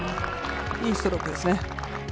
いいストロークですね。